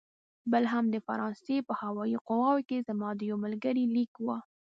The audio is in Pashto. بل هم د فرانسې په هوايي قواوو کې زما د یوه ملګري لیک و.